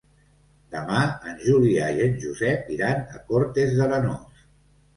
Demà en Julià i en Josep iran a Cortes d'Arenós.